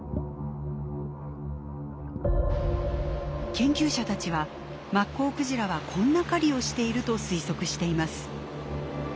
研究者たちはマッコウクジラはこんな狩りをしていると推測しています。